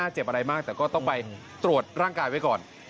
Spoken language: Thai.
เจ็บอะไรมากแต่ก็ต้องไปตรวจร่างกายไว้ก่อน